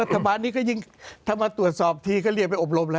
สมัยก็เรียกว่า